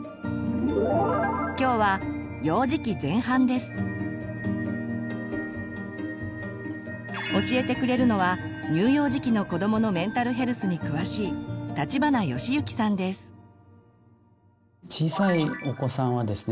今日は教えてくれるのは乳幼児期の子どものメンタルヘルスに詳しい小さいお子さんはですね